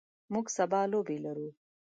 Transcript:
موږ سبا لوبې لرو.